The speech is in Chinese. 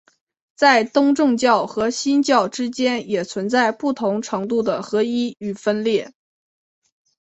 在东正教和新教之间也存在不同程度的合一与分裂。